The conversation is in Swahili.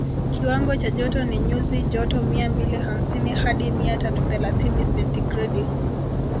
Kiwango cha joto ni nyuzi joto mia mbili hamsini hadi mia tatu thelathini sentigredi